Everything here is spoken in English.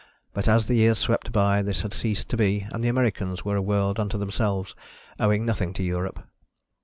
But as the years swept by, this had ceased to be and the Americas were a world unto themselves, owing nothing to Europe.